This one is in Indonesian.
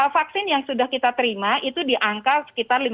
vaksin yang sudah kita terima itu di angka sekitar lima puluh